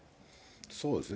そうですね。